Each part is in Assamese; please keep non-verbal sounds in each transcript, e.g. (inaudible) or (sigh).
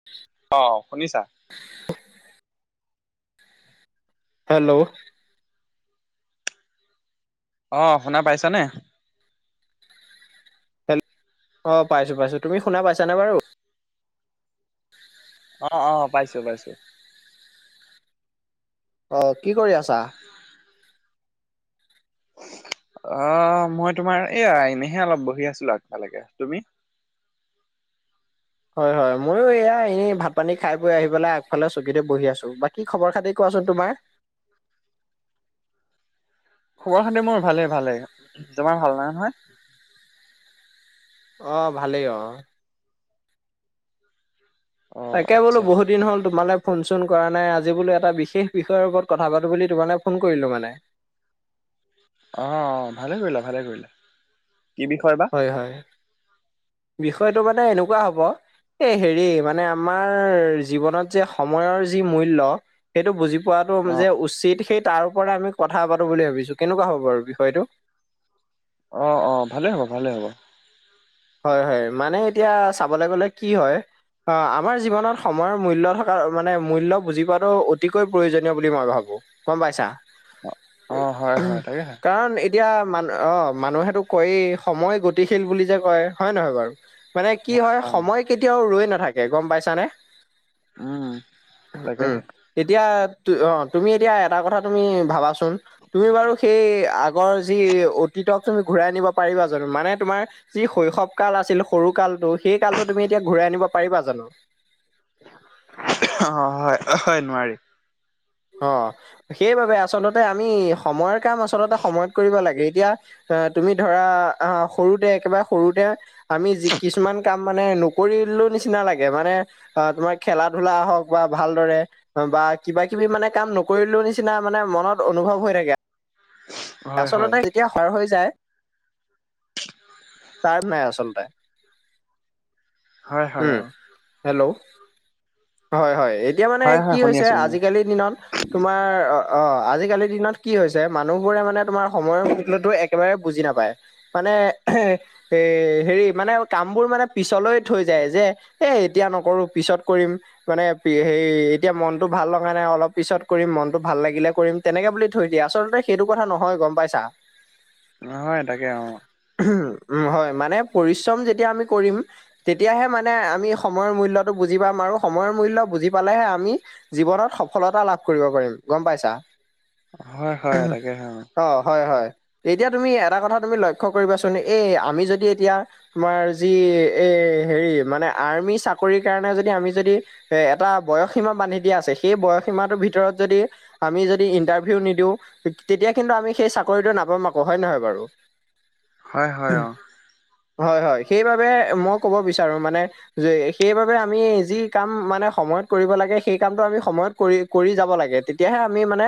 (unintelligible) অ শুনিছা (unintelligible) হেল্ল' অ শুনা পাইছানে হেল্ল অঁ পাইছোঁ পাইছোঁ তুমি শুনা পাইছানে বাৰু অ অ পাইছো পাইছো অঁ কি কৰি আছা (unintelligible) অ মই তোমাৰ এই আ এনেহে অলপ বহি আছিলো আগফালেকে তুমি হয় হয় মইয়ো এয়া এনেই ভাত পানী খাই বৈ আহি পেলাই আগফালে চকীতে বহি আছো বাকী খবৰ খাতি কোৱাচোন তোমাৰ খবৰ খাতি মোৰ ভালে ভালে তোমাৰ ভালেই নহয় অ ভালেই অ অ তাকে বোলো আচ্ছা বহুত দিন হ'ল তোমালে ফোন চোন কৰা নাই আজি বোলো এটা বিশেষ বিষয়ৰ ওপৰত কথা পাতো বুলি তোমালে ফোন কৰিলো মানে অ ভালে কৰিলা ভালে কৰিলা কি বিষয় বা এ হয় বিষয়টো মানে এনেকুৱা হ'ব এই হেৰি মানে আমাৰ জীৱনত যে সময়ৰ যি মূল্য সেইটো বুজি কোৱাতো অ যে উচিত সেই তাৰ ওপৰত আমি কথা পাতো বুলি ভাবিছো কেনেকুৱা হ'ব বাৰু বিষয়টো অঁ অঁ ভালেই হ'ব ভালেই হ'ব হয় হয় মানে এতিয়া চাবলৈ গলে কি হয় অ আমাৰ জীৱনত সময়ৰ মূল্য থকা মানে মূল্য বুজি পোৱাটো অতিকৈ প্ৰয়োজনীয় বুলি মই ভাবোঁ গম পাইছা অ হয় হয় তাকেহে কাৰণ এতিয়া মানু অ মানুহেতো কয়েই সময় গতিশীল বুলি যে কয় হয় নহয় বাৰু মানে কি হয় অ সময় কেতিয়াও ৰৈ নাথাকে গম পাইছানে উম উম তাকেহে এতিয়া অ তুমি এতিয়া এটা কথা তুমি ভাবাচোন তুমি বাৰু সেই আগ আগৰ যি অতীতক তুমি ঘূৰাই নিব পাৰিবা জানো মানে তোমাৰ যি শৈশৱ কাল আছিল সৰু কালটো সেই কালটো তুমি এতিয়া ঘূৰাই আনিব পাৰিবা জানো অ হয় হয় নোৱাৰিম অ সেইবাবে আচলতে আমি সময়ৰ কাম আচলতে সময়ত কৰিব লাগে এতিয়া অ তুমি ধৰা অ সৰুতে একেবাৰে সৰুতে আমি যি কিছুমান কাম মানে নকৰিলো নিচিনা লাগে মানে অ তোমাৰ খেলা ধূলা হওক বা ভালদৰে বা কিবা কিবি মানে কাম নকৰিলো নিচিনা মানে মনত অনুভৱ হৈ থাকে হয় হয় আচলতে যেতিয়া পাৰ হৈ যায় টাইম নাই আচলতে হয় উ হয় অ হেল্ল' হয় হয় এতিয়া মানে হয় কি হয় শুনি হৈছে আছো শুনি আছো আজিকালি দিনত তোমাৰ অ অ আজিকালিৰ দিনত কি হৈছে মানুহবোৰে মানে তোমাৰ সময়ৰ মুল্যতো একেবাৰে বুজি নাপায় মানে এ হেৰি মানে কামবোৰ মানে পিছলৈ থৈ যায় যে এ এতিয়া নকৰো পিছত কৰিম মানে হে এতিয়া মনটো ভাল লগা নাই অলপ পিছত কৰিম মনটো ভাল লাগিলে কৰিম তেনেকে বুলি থৈ দিয়ে আচলতে সেইটো কথা নহয় গম পাইছা নহয় তাকে অ উ উ হয় মানে পৰিশ্ৰম যেতিয়া আমি কৰিম তেতিয়াহে মানে আমি সময়ৰ মূল্যটো বুজি পাম আৰু সময়ৰ মূল্য বুজি পালেহে আমি জীৱনত সফলতা লাভ কৰিব পাৰিম গম পাইছা হয় হয় এ তাকে হয় অ। অ হয় হয় এতিয়া তুমি এটা কথা তুমি লক্ষ্য কৰিবাচোন এই আমি যদি এতিয়া। তোমাৰ যি এ হেৰি মানে আৰ্মি চাকৰিৰ কাৰণে যদি আমি যদি। এ এটা বয়সসীমা বান্ধি দিয়া আছে সেই বয়সীমাটোৰ ভিতৰত যদি। আমি যদি ইন্টাৰভিউ নিদিওঁ তেতিয়া কিন্তু আমি সেই চাকৰিটো নাপাম আকৌ হয় নহয় বাৰু। হয় হয় অ। হয় হয় সেইবাবে মই ক'ব বিচাৰো মানে। যে সেইবাবে আমি যি কাম মানে সময়ত কৰিব লাগে সেই কামটো আমি সময়ত। কৰি কৰি যাব লাগে তেতিয়াহে আমি মানে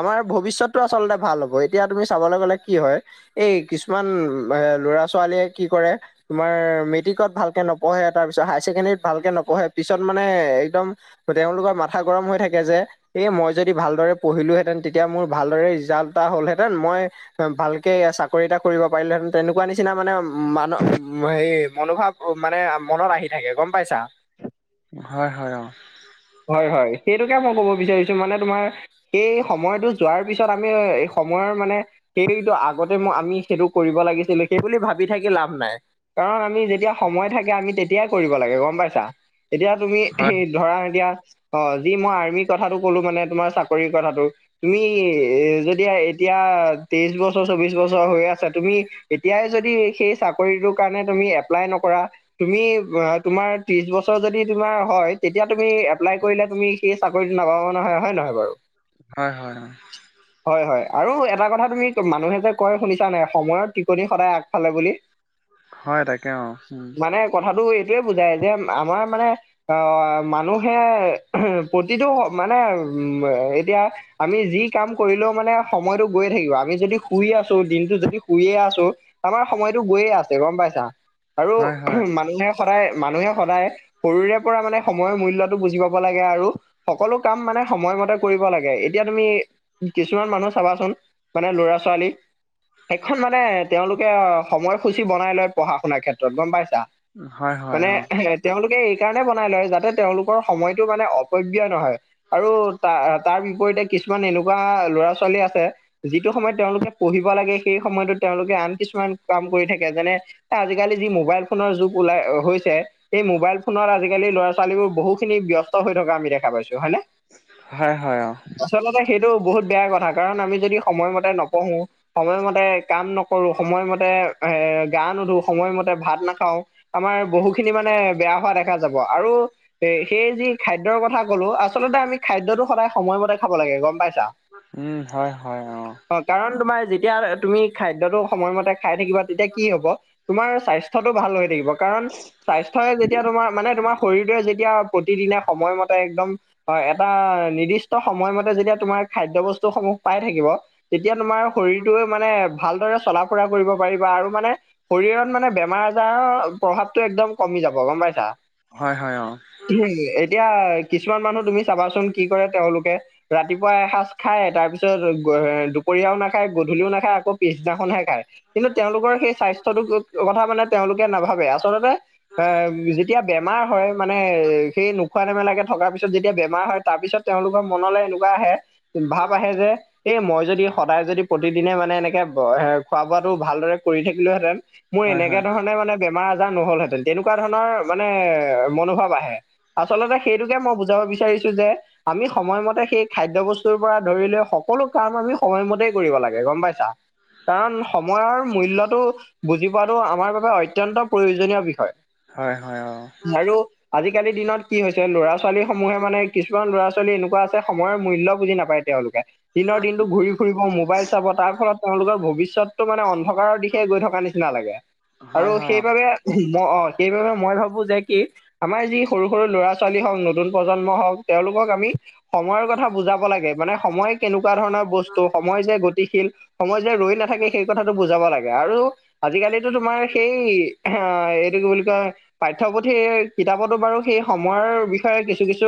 আমাৰ ভবিষ্যত। টো আচলতে ভাল হ'ব এতিয়া তুমি চাবলৈ গ'লে কি হয়। এই কিছুমান এ লৰা ছোৱালীয়ে কি কৰে। তোমাৰ মেট্ৰিকত ভালকে নপঢ়ে তাৰপিছত হাই ছেকেণ্ডেৰীত ভালকে নপঢ়ে পিছত মানে একদম। তেওঁলোকৰ মাথা গৰম হৈ থাকে যে এই মই যদি ভালদৰে পঢ়িলোহেঁতেন তেতিয়া মোৰ। ভালদৰে ৰিজাল্ট এটা হ'লহেঁতেন মই। ভালকে চাকৰি এটা কৰিব পাৰিলে হেঁতেন তেনেকুৱা নিচিনা মানে মান হেৰি মনোভাৱ। অ মানে মনত আহি থাকে গম পাইছা। হয় হয় অ। হয় হয় সেইটোকে মই ক'ব বিচাৰিছো মানে তোমাৰ এই সময়টো। যোৱাৰ পিছত আমি এই সময়ৰ মানে। সেইটো আগতে মই আমি সেইটো কৰিব লাগিছিলো সেইবুলি ভাবি থাকি লাভ নাই। কাৰণ আমি যেতিয়া সময় থাকে আমি তেতিয়াই কৰিব লাগে গম পাইছা। এতিয়া তুমি হয় ধৰা এতিয়া অ যি মই আৰ্মি কথাটো কলো মানে তোমাৰ চাকৰিৰ কথাটো। তুমি এ যদি এতিয়া তেইশ বছৰ চৌবিশ বছৰ হৈ আছা তুমি। এতিয়াই যদি সেই চাকৰিটোৰ কাৰণে তুমি এপ্লাই নকৰা। তুমি বা তোমাৰ ত্ৰিশ বছৰ যদি তোমাৰ হয় তেতিয়া তুমি এপ্লাই কৰিলে তুমি। সেই চাকৰিটো নাপাবা নহয় হয় নহয় বাৰু। হয় হয় অ। (unintelligible) হয় হয় আৰু এটা কথা তুমি মানুহে যে কয় শুনিছা নাই সময়ৰ টিকনি সদায় আগফালে বুলি। হয় তাকে অ উম। কথাাতটো এইটোয়ে বুজাই যে আমাৰ মানে। আহ মানুহে প্ৰতিটো মানে উ এতিয়া। আমি যি কাম কৰিলেও মানে সময়তো গৈয়ে থাকিব আমি যদি শুইে আছো দিনটো যদি শুইয়ে আছো। আমাৰ সময়তটো গৈয়ে আছে গম পাইছা আৰু হয় হয় মানুহে সদায় মানুহে সদায়। সৰুৰে পৰা মানে সময়ৰ মূল্যতটো বুজি পাব লাগে আৰু। সকলো কাম মানে সময়মতে কৰিব লাগে। এতিয়া তুমি কিছুমান মানুহ চাবাচোন মানে ল'ৰা ছোৱালী। শেইখন মানে তেওঁলোকে সময়সূচী বনাই লয় পঢ়া শুনাৰ ক্ষেত্ৰত গম পাইছা। হয় হয় মানে অ হে। তেওঁলোকে এই কাৰণে বনাই লয় যাতে তেওঁলোকৰ সময়টো মানে অপব্যয় নহয়। আৰু তাৰ তাৰ বিপৰীতে কিছুমান এনেকুৱা ল'ৰা ছোৱালী আছে। যিটো সময়ত তেওঁলোকে পঢ়িব লাগে সেই সময়তত তেওঁলোকে আন কিছুমান কাম কৰি থাকে যেনে। এ আজিকালি যি মোবাইল ফোনৰ যুগ ওলাই হৈছে। এই মোবাইল ফোনত আজিকালি ল'ৰা ছোৱালীবোৰ বহু খিনি ব্যস্ত হৈ থকা আমি দেখা পাইছো হয় নে। হয় হয় অঁ। আচলতে সেইটো বহুত বেয়া কথা কাৰণ আমি যদি সময়মতে নপঢ়ো সময়মতে কাম নকৰো সময়মতে এ গা নুধো সময়মতে ভাত নাখাওঁ আমাৰ বহু খিনি মানে বেয়া হোৱা দেখা যাব আৰু এ সেই যি খাদ্যৰ কথা কলো আচলতে আমি খাদ্যটো সদায় সময়মতে খাব লাগে। গম পাইছা? উম হয় হয় অ। অ কাৰণ তোমাৰ যেতিয়া তুমি খাদ্যটো সময়মতে খাই থাকিবা তেতিয়া কি হ'ব। তোমাৰ স্বাস্থ্যটো ভাল হৈ থাকিব কাৰণ স্বাস্থ্যই যেতিয়া তোমাৰ মানে তোমাৰ শৰীৰটোৱে যেতিয়া প্ৰতিদিনে সময়মতে একদম এটা নিৰ্দিষ্ট সময়মতে যেতিয়া তোমাৰ খাদ্য বস্তুসমূহ পাই থাকিব। তেতিয়া তোমাৰ শৰীৰটোৱে মানে ভালদৰে চলা ফুৰা কৰিব পাৰিবা আৰু মানে শৰীৰত মানে বেমাৰ আজাৰৰ প্ৰভাৱটো একদম কমি যাব গম পাইছা। হয় হয় অ। এতিয়া কিছুমান মানুহ তুমি চাবাচোন কি কৰে তেওঁলো কে, ৰাতিপুৱা এসাঁজ খায় তাৰপিছত দুপৰীয়াও নাখায় গধূলিও নাখায় আকৌ পিছদিনাখনহে খাই। কিন্তু তেওঁলোকৰ সেই স্বাস্থ্যটো কথা মানে তেওঁলোকে নাভাবে আচলতে অ যেতিয়া বেমাৰ হয়, মানে সেই নোখোৱা নেমেলাকে থকাৰ পিছত যেতিয়া বেমাৰ হয়, তাৰপিছত তেওঁলো কৰ মনলৈ এনেকুৱা আহে ভাৱ আহে যে এই মই যদি সদায় যদি প্ৰতিদিনে মানে এনেকে খোৱা বোৱাটো ভালদৰে কৰি থাকিলোহেঁতেন মোৰ হয় হয় এনেকে ধৰণে মানে বেমাৰ আজাৰ নহলহেঁতেন, তেনেকুৱা ধৰণৰ মানে মনোভাৱ আহে। আচলতে সেইটোকে মই বুজাব বিচাৰিছো যে আমি সময়মতে সেই খাদ্যয় বস্ত পৰা ধৰি লৈ সকলো কাম আমি সময়মতে কৰিব লাগে গম পাইছা? কাৰণ সময়ৰ মূল্যয়টো বুজি পোৱাটো আমাৰ বাবে অত্যয়ন্ত প্ৰয়োজনীয় বিষয় হয় হয় অ আৰু আজিকালি দিনত কি হৈছে ল'ৰা ছোৱালী সমূহে মানে কিছুমান ল'ৰা ছোৱালী এনেকুৱা আছে সময়ৰ মূল্য বুজি নাপায় তেওঁলোকে। দিনৰ দিনটো ঘূৰি ফুৰিব মোবাইল চাব তাৰ ফলত তেওঁলোকৰ ভৱিষ্যত টো মানে অন্ধকাৰৰ দিশে গৈ থকা নিচিনা লাগে আৰু হয় হয় অ সেইবাবে মই অঁ সেইবাবে মই ভাবো যে কি আমাৰ যি সৰু সৰু ল'ৰা ছোৱালী হওঁক নতুন প্ৰজন্ম হওক তেওঁলোকক আমি সময়ৰ কথা বুজাব লাগে মানে সময় কেনেকুৱা ধৰণৰ বস্তু সময় যে গতি শীল সময় যে ৰৈ নাথাকে সেই কথাটো বুজাব লাগে আৰু আজিকালিতো তোমাৰ সেই এইটো কি বুলি কয় পাঠ্যপুথিৰ কিতাপতো বাৰু সেই সময়ৰ বিষয়ে কিছু কিছু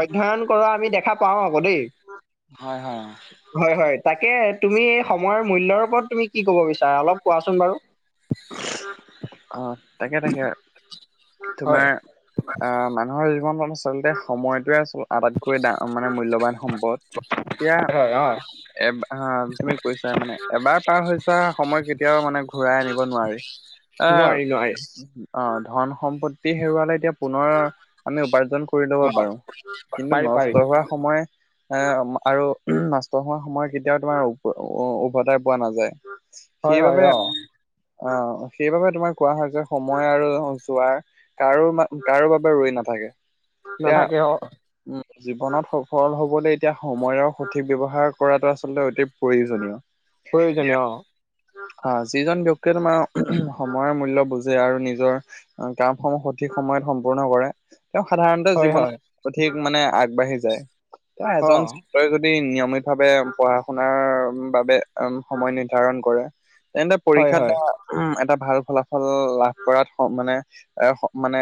অধ্যয়ন কৰা আমি দেখা পাওঁ আক' দেই। হয় হয় অঁ। হয়, হয়। তাকে তুমি এই সময়ৰ মূল্যৰ ওপৰত তুমি কি ক'ব বিচাৰা অলপ কোৱাচোন বাৰু? অ, তাকে তাকে হয় তোমাৰ আহ মা নুহৰ জীৱন আচলতে সময়টোৱে আচল আটাইতকৈ মানে মূল্যবান সম্পদ। হয়, অঁ। এবাৰ হা তুমি কৈছাই মানে এবাৰ পাৰ হৈ ছোৱা সময় কেতিয়াও মানে ঘূৰাই আ নিব নোৱাৰি। নোৱাৰি নোৱাৰি অঁ, ধন সম্পত্তি হেৰুৱালে এতিয়া পুনৰ আমি উপাৰ্জন কৰি ল'ব অ পাৰো। কিন্তু পাৰি পাৰি নষ্ট হোৱা সময় এ আৰু নষ্ট হোৱা সময় কেতিয়াও তোমাৰ উভতাই পোৱা নাযায়। হয় হয়, অঁ। অ', সেইবাবে তোমাৰ কোৱা হয় যে, সময় আৰু যোৱাৰ কাৰো মা, কাৰো বাবে ৰৈ নাথাকে। এতিয়া নাথাকে অ'। উম। জীৱনত সফল হবলৈ এতিয়া সময়ৰ সঠিক ব্যৱহাৰ কৰাটো আচলতে অতি প্ৰয়োজনীয়। প্ৰয়োজনীয় অ'। অ', যিজন ব্যক্তিয়ে তোমাৰ সময়ৰ মূল্য বুজে আৰু নিজৰ কামসমূহ সঠিক সময়ত সম্পূৰ্ণ কৰে। তেওঁ সাধাৰণতে হয় জীৱনত, হয় অধিক মানে আগবাঢ়ি যায়, এ অ এজন তই যদি নিয়মিত ভাৱে পঢ়া শুনাৰ বাবে সময় নিৰ্ধাৰণ কৰে তেন্তে হয় পৰীক্ষাত হয় এটা উম, এটা ভাল ফলাফল লাভ কৰাত মানে, এ মানে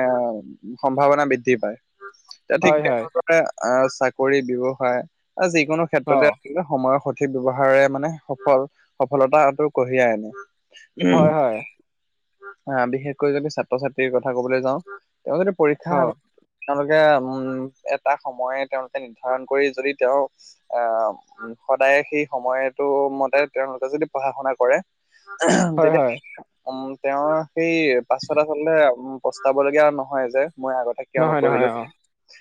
সম্ভাৱনা বৃদ্ধি পায়। এ ঠিক হয় হয় তেনেধৰণে, আহ, চাকৰি ব্যৱসায় বা যিকোনো অ ক্ষেত্ৰতেই সময়ৰ সঠিক ব্যৱহাৰে মানে সফল, সফলতাটো কঢ়িয়াই আনে। হয় হয় আহ, বিশেষকৈ যদি ছাত্ৰ ছাত্ৰীৰ কথা কবলৈ যাওঁ তেওঁ যদি অ পৰীক্ষাত তেওঁলোকে উম, এটা সময় তেওঁলোকে নিৰ্ধাৰণ কৰি যদি তেওঁ অ', অ', সদায় সেই সময়টো মতে তেওঁলোকে যদি পঢ়া শুনা কৰে হয় তেতিয়া কি হয় উম, তেওঁৰ সেই পাছত আচলতে পস্তাব লগীয়া নহয় যে, মই আগতে কিয় নহয় নহয় নপঢ়িলোঁ, অ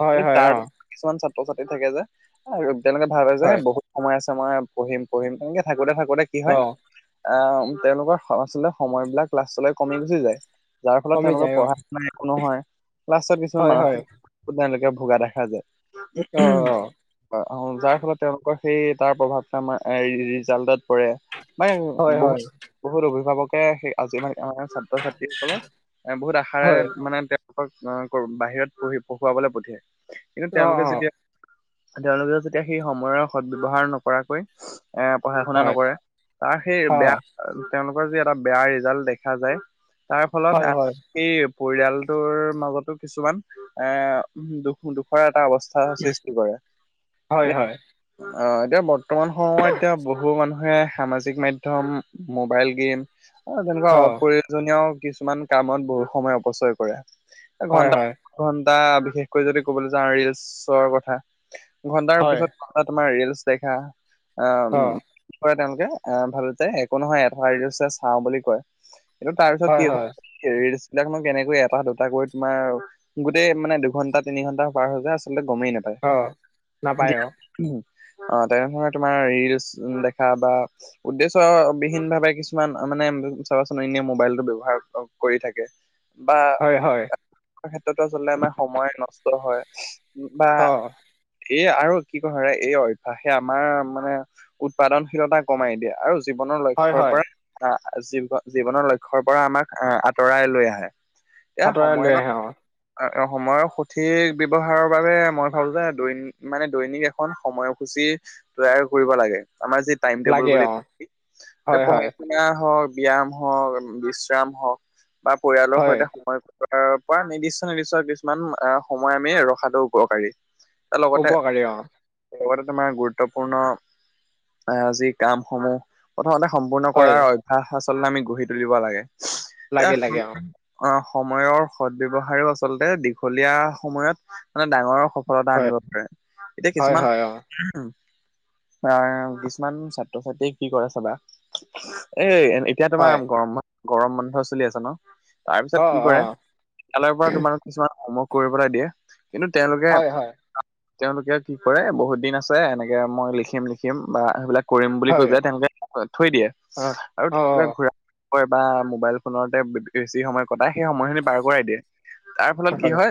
হয় কিন্তু হয় তাৰ অ কিছুমান ছাত্ৰ ছাত্ৰী থাকে যে, তেওঁলোকে ভাবে যে হয় এই বহুত সময় আছে আমাৰ, পঢ়িম পঢ়িম, তেনেকে থাকোতে থাকোতে কি অ হয়? আহ তেওঁলোকৰ আচলতে, সময় বিলাক লাষ্টলৈ কমি গুচি যায়। যাৰ ফলত কমি তেওঁলোকৰ যায় অ পঢ়া শুনা একো নহয়, লাষ্টত কিছুমান হয় হয় মানসিক (unintelligible) ভোগা দেখা অ যায়। অ অ', যাৰ ফলত তেওঁলোকৰ সেই তাৰ প্ৰভাৱ আমাৰ ৰিজাল্টত পৰে। মানে হয় বহুত হয় বহুত অভিভাৱকে সেই আজি আমাৰ ছাত্ৰ ছাত্ৰীসকলক, এ বহুত হয় আশাৰে মানে বাহিৰত পঢ়ি, পঢ়ুৱাবলৈ পঠিয়াই, কিন্তু অ অ তেওঁলোকে যেতিয়া তেওঁলোকে যেতিয়া সেই সময়ৰ সদ ব্যৱহাৰ নকৰাকৈ এ পঢ়া শুনা হয় নকৰে, তাৰ সেই অ বেয়া, তেওঁলোকৰ যি এটা বেয়া ৰিজাল্ট দেখা যায়। তাৰফলত হয় হয় এই পৰিয়ালটোৰ মাজতো কিছুমান এ দুখ, দুখৰ এটা অৱস্থা। সৃষ্টি কৰে, হয় এ হয় আহ, এতিয়া বৰ্তমান সময়ত এতিয়া বহুত বহু মানুহে সামাজিক মাধ্যম, মোবাইল গেম তেনেকুৱা অ অপ্ৰয়ো জনীয় কিছুমান কামত বহুত সময় অপচয় কৰে, এ হয় ঘন্টা হয় ঘন্টা, বিশেষকৈ যদি ক'বলৈ যাওঁ ৰিলচৰ কথা, ঘন্টাৰ হয় পিছত তোমাৰ ৰিলচ দেখা আহ, অ কি কয় তেওঁলোকে, আহ, (unintelligible) একো নহয় এটা ৰিলচ হে চাওঁ বুলি কয়, কিন্তু তাৰপিছত কি হয় ৰিলচ বিলাকনো কেনেকৈ এটা দুটাকৈ তোমাৰ গোটেই মানে দুঘণ্টা তিনি ঘণ্টা পাৰ হৈ যায়, আচলতে গমেই নাপায়। অ', নাপায় দিয়া অ'। অ', তেনেধৰণে তোমাৰ ৰিলচ দেখা বা উদ্দেশ্য বিহীন ভাৱে কিছুমান মানে চাবাচোন এনে মোবাইলটো ব্যৱহাৰ কৰি থাকে। বা হয় হয় ক্ষেত্ৰতো আচলতে আমাৰ সময় নষ্ট হয়। বা অ এই আৰু কি কৰে এই অভ্যাসে আমাৰ মানে উৎপাদনশীলতা কমাই দিয়ে। আৰু জীৱনৰ হয় ঘৰৰ হয় পৰা আহ জীৱনৰ লক্ষ্যৰ পৰা আমাক আহ আঁতৰাই লৈ আহে। এয়া আঁতৰাই লৈ সময়ত আহে অ সময়ৰ সঠিক ব্যৱহাৰৰ বাবে মই ভাবো যে দৈনিক মানে দৈনিক এখন সময়সূচী তৈয়াৰ কৰিব লাগে। আমাৰ যি টাইম টেবুল লাগে বুলি অ হয় হয় পঢ় হওক ব্যায়াম হওঁক বিশ্ৰাম হওক বা পৰিয়ালৰ হয় সৈতে সময় আহ পৰা নিৰ্দিষ্ট নিৰ্দিষ্ট কিছুমান সময় আমি ৰখাটো উপকাৰী। তাৰ লগতহে উপকাৰী অ লগতে তোমাৰ গুৰুত্বপূৰ্ণ আজি কাম সমূহ প্ৰথমতে সম্পূৰ্ণ হয় কৰাৰ অভ্যাস আচলতে আমি গঢ়ি তুলিব লাগে। এ লাগে লাগে অ সময়ৰ সদব্যৱহাৰও আচলতে দীঘলীয়া সময়ত মানে ডাঙৰৰ সফলতা হয় আনিব পাৰে। এতিয়া হয় কিছুমান হয় অ অ কিছুমান ছাত্ৰ ছাত্ৰীয়ে কি কৰে চাবা এ এতিয়া হয় তোমাৰ গৰম ব গৰম বন্ধ চলি আছে ন? অ তাৰপিছত কি অ কৰে? কালিৰ পৰা তোমাৰ কিছুমান হমৱৰ্ক কৰিবলই দিয়ে। কিন্তু তেওঁলোকে হয় হয় তেওঁলোকে কি কৰে বহুত দিন আছে এনেকে মই লিখিম লিখিম বা সেইবিলাক কৰিম বুলি কৈ হয় পেলাই তেওঁলোকে থৈ দিয়ে। অ আৰু অ তেওঁলোকে ঘূৰা কয় বা মোবাইল ফোনতে বেছি সময় কটাই। সেই সময়খিনি পাৰ কৰাই দিয়ে। তাৰ ফলত কি হয়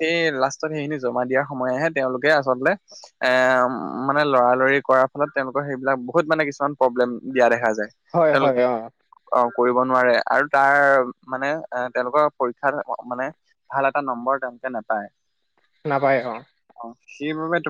সেই লাষ্টত সেইখিনি জমা দিয়াৰ সময় আহে তেওঁলোকে আচলতে এ মানে লৰালৰি কৰাৰ ফলত তেওঁলোকৰ সেইবিলাক বহুত মানে কিছুমান প্ৰব্লেম দিয়া দেখা যায়। হয় তেওঁলোকে হয় অ অ কৰিব নোৱাৰে। আৰু তাৰ মানে তেওঁলোকৰ পৰীক্ষাত মানে ভাল এটা নম্বৰ তেওলোকে নাপায়। নাপায় অ। সেইবাবে ত